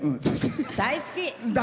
大好き！